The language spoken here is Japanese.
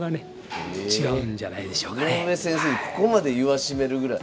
井上先生にここまで言わしめるぐらい。